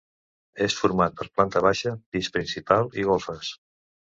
És format per planta baixa, pis principal i golfes.